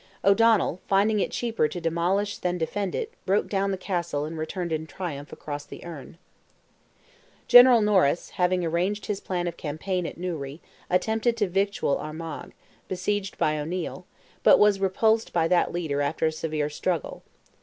O'Donnell, finding it cheaper to demolish than defend it, broke down the castle and returned in triumph across the Erne. General Norris, having arranged his plan of campaign at Newry, attempted to victual Armagh, besieged by O'Neil, but was repulsed by that leader after a severe struggle.